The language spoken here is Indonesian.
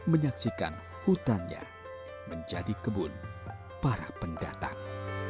menyaksikan hutannya menjadi kebun para pendatang